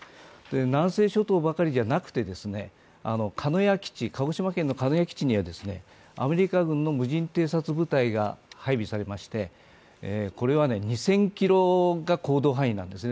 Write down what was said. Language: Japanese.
南西諸島ばかりじゃなくて、鹿児島県の鹿屋基地にはアメリカ軍の無人偵察部隊が配備されまして、これは２０００ｋｍが行動範囲なんですね。